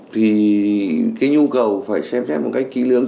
thì cái nhu cầu phải xem xét một cách kỹ lưỡng